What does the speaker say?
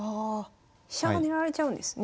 飛車が狙われちゃうんですね。